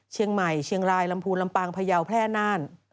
เชียงใหม่เชียงรายลำพูนลำปางพยาวแพร่น่าน